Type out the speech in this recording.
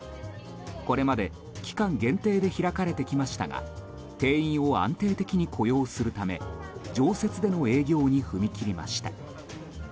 これまで期間限定で開かれてきましたが店員を安定的に雇用するため常設での営業に踏み切りました。